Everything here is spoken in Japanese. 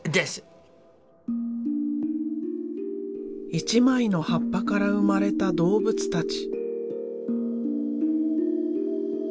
一枚の葉っぱから生まれた動物たち。